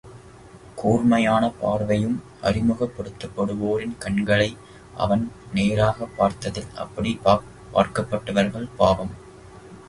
கூர்மையான பார்வையும், அறிமுகப்படுத்தப்படுவோரின் கண்களை, அவன், நேராகப் பார்த்ததில், அப்படிப் பார்க்கப்பட்டவர்கள் பாவம் செய்தவர்கள்போல், தலைகளை குனிந்து கொண்டார்கள்.